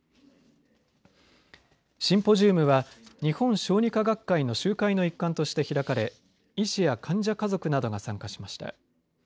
シンポジウムは日本小児科学会の集会の一環として開かれ医師や患者家族などが参加しました。